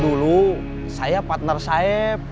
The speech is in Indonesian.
dulu saya partner saeb